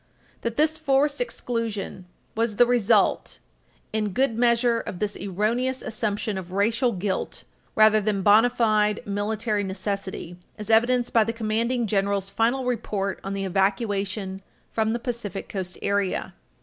That this forced exclusion was the result in good measure of this erroneous assumption of racial guilt, rather than Page 323 U. S. 236 bona fide military necessity is evidenced by the Commanding General's Final Report on the evacuation from the Pacific Coast area.